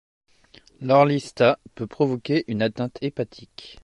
L'orlistat peut provoquer une atteinte hépatique.